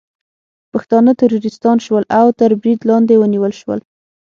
پښتانه ترورستان شول او تر برید لاندې ونیول شول